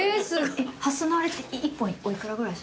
ハスのあれって１本お幾らぐらい？